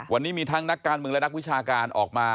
วันนี้มีทั้งนักการเมืองและนักวิชาการออกมา